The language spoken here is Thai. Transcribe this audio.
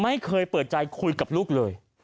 ไม่เคยเปิดใจคุยกับลูกเลย